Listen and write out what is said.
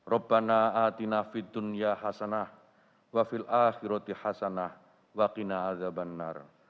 rabbana a'atina fid dunya hasanah wa fil akhirati hasanah wa qina azabannar